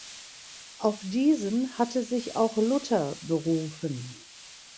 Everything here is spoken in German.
Auf diesen hatte sich auch Luther berufen.